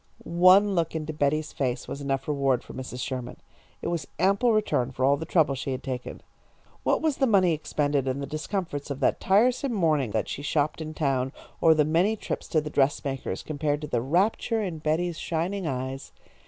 One look into Betty's face was enough reward for Mrs. Sherman. It was ample return for all the trouble she had taken. What was the money expended and the discomforts of that tiresome morning that she shopped in town, or the many trips to the dressmaker's, compared to the rapture in Betty's shining eyes?